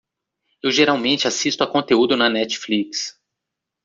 Eu geralmente assisto à conteúdo na Netflix.